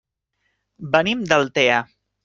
Venim d'Altea.